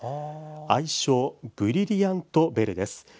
愛称ブリリアント・ベルです。